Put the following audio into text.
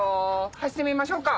走ってみましょうか。